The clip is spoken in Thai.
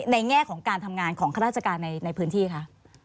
ในแง่ของการทำงานของคุณธนาศักดิ์ในพื้นที่คะ